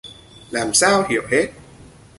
Làm sao hiểu hết